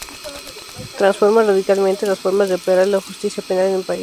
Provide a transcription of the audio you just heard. Transforma radicalmente las formas de operar la justicia penal en el país.